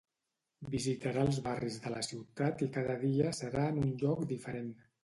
Visitarà els barris de la ciutat i cada dia serà en un lloc diferent.